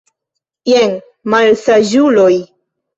Jen, malsaĝuloj!